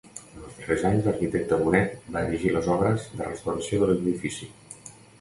En els darrers anys l'arquitecte Bonet va dirigir les obres de restauració de l'edifici.